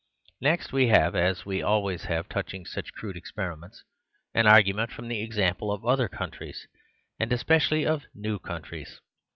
Next we have, as we always have touching such crude experiments, an argument from the example of other countries, and especially of new countries.